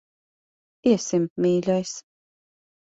Iesim, mīļais.